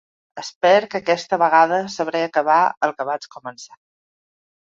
Espero que aquesta vegada sabré acabar el que vaig començar.